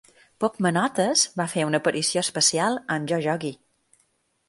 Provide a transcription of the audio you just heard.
Pop Manotes va fer una aparició especial en Yo Yogi!